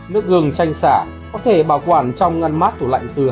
nước gừng chanh sả có thể bảo quản trong ngăn mát tủ lạnh từ hai ba ngày